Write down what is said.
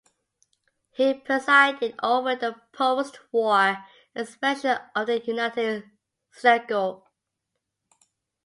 He presided over the post-war expansion of the United Synagogue.